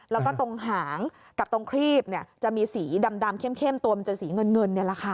แล้วก็ตรงหางกับตรงครีบจะมีสีดำเข้มตัวมันจะสีเงินนี่แหละค่ะ